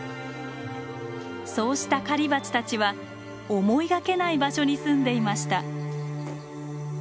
そうした狩りバチたちは思いがけない場所にすんでいました。